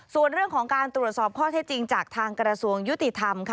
ส่วนเรื่องของการตรวจสอบข้อเท็จจริงจากทางกระทรวงยุติธรรมค่ะ